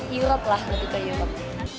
europe lah lebih ke yurab